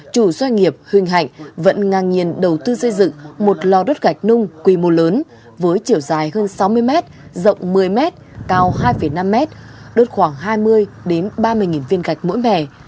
chủ doanh nghiệp huỳnh hạnh vẫn ngang nhiên đầu tư xây dựng một lò đốt gạch nung quy mô lớn với chiều dài hơn sáu mươi m rộng một mươi m cao hai năm mét đốt khoảng hai mươi ba mươi viên gạch mỗi mẻ